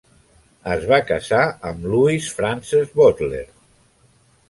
Es va casar amb Louisa Frances Boteler.